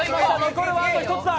残るはあと１つだ。